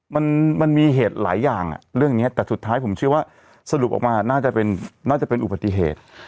มันมันมีเหตุหลายอย่างเรื่องนี้แต่สุดท้ายผมเชื่อว่าสรุปออกมาน่าจะเป็นน่าจะเป็นอุบัติเหตุ